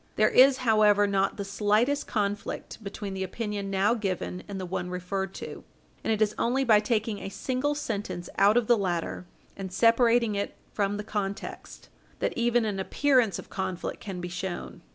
There is, however, not the slightest conflict between the opinion now given and the one referred to, and it is only by taking a single sentence out of the latter and separating it from the context that even an appearance of conflict can be shown.